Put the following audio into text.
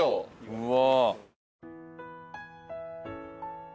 うわ。